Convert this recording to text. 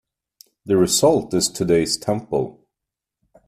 The result is today's Temple.